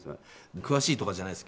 詳しいとかじゃないですよ。